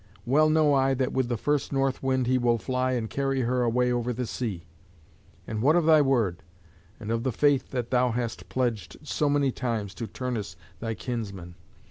Well know I that with the first north wind he will fly and carry her away over the sea. And what of thy word, and of the faith that thou hast pledged so many times to Turnus thy kinsman?